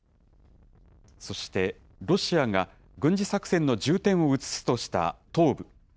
そして、ロシアが軍事作戦の重点を移すとした東部。